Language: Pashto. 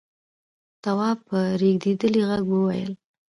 تواب په رېږديدلي غږ وويل: